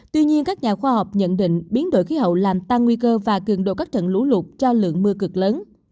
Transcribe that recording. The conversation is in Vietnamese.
tuy nhiên các nhà khoa học nhận định biến đổi khí hậu làm tăng nguy cơ và cường độ các trận lũ lụt cho lượng mưa cực lớn